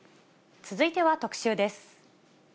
続いては特集です。